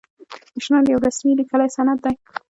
پیشنهاد یو رسمي لیکلی سند دی.